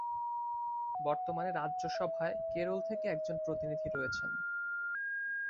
বর্তমানে রাজ্যসভায় কেরল থেকে এক জন প্রতিনিধি রয়েছেন।